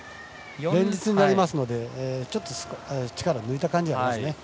連日になりますので少し力を抜いた感じがありますね。